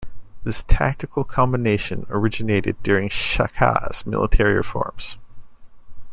This tactical combination originated during Shaka's military reforms.